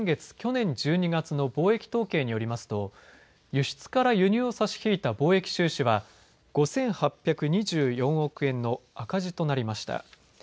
・去年１２月の貿易統計によりますと輸出から輸入を差し引いた貿易収支は５８２４億円の赤字となりました。